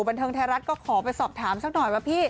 บันทึงทะรัทก็ขอไปสอบถามสักหน่อยว่า